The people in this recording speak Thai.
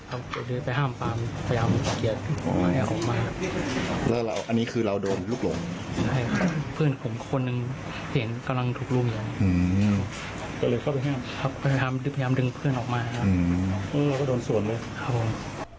ตามคิดเป็น๖กว่าเลยเข้ามาเริ่มถ่ายกล้องคัวครึ่ง